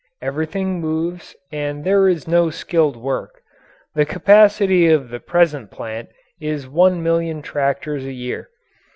Everything moves and there is no skilled work. The capacity of the present plant is one million tractors a year.